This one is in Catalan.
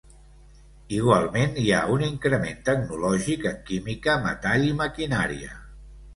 Igualment, hi ha un increment tecnològic en química, metall i maquinària.